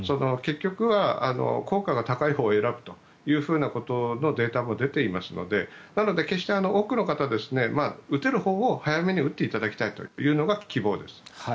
結局は効果が高いほうを選ぶというデータも出ていますので決して多くの方打てるほうを早めに打っていただきたいというのが希望です。